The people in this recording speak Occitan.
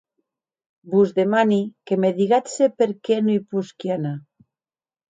Vos demani que me digatz se per qué non i posqui anar.